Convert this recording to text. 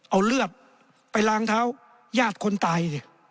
เอาเลือดไปล้างเท้าญาติคนตายสิ